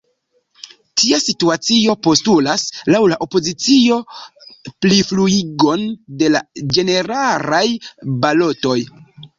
Tia situacio postulas, laŭ la opozicio, plifruigon de la ĝeneralaj balotoj.